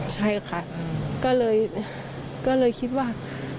ใช่ค่ะก็เลยคิดว่า